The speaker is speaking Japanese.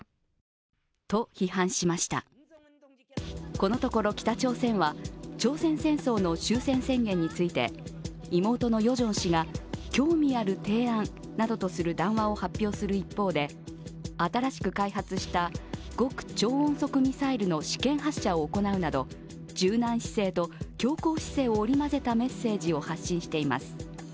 このところ、北朝鮮は朝鮮戦争の終戦宣言について妹のヨジョン氏が興味ある提案と談話を発表する一方で、新しく開発した極超音速ミサイルの試験発射を行うなど、柔軟姿勢と強硬姿勢を織りまぜたメッセージを発信しています。